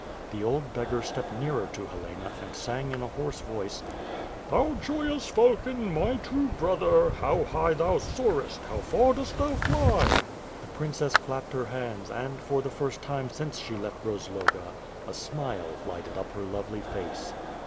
The old beggar stepped nearer to Helena and sang in a hoarse voice: " Thou joyoas falcon, my true brother, How high thou soarest, How far dost thou fly I The princess clapped her hands and, for the first time since she left Rozloga, a smile lighted up her lovely face.